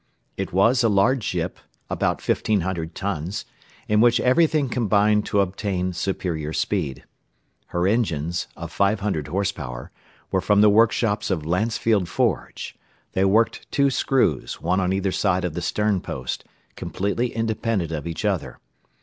It was a large ship, about 1,500 tons, in which everything combined to obtain superior speed. Her engines, of 500 horse power, were from the workshops of Lancefield Forge; they worked two screws, one on either side the stern post, completely independent of each other.